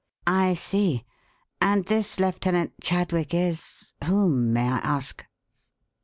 "I see. And this Lieutenant Chadwick is whom may I ask?"